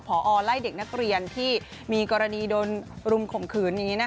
พอไล่เด็กนักเรียนที่มีกรณีโดนรุมข่มขืนนี้